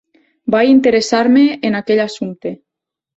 Vaig interessar-me en aquell assumpte.